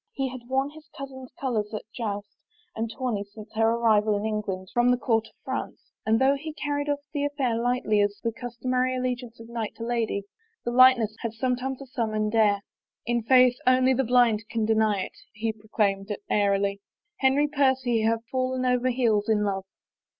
He had worn his cousin's colors at joust and tourney since her arrival in THE FAVOR OF KINGS England from the court of France, and though he car ried off the affair lightly as the customary allegiance of knight to lady, the lightness had sometimes a summoned air. " In faith only the blind can deny it," he proclaimed airily. " Henry Percy hath fallen over heels in love."